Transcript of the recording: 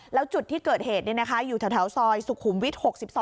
แล้วจุดที่เกิดเหตุเนี่ยนะคะอยู่แถวซอยสุขุมวิท๖๒